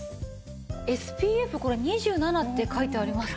ＳＰＦ２７って書いてあります